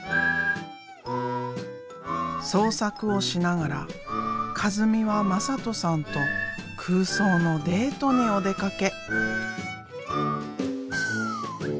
創作をしながら一美はまさとさんと空想のデートにお出かけ。